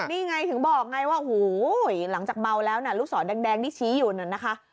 นี่ไงถึงบอกไงว่าโอ้โหหลังจากเมาแล้วนะลูกศรแดงที่ชี้อยู่นั่นนะคะ